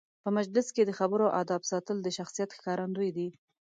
په مجلس کې د خبرو آدب ساتل د شخصیت ښکارندوی دی.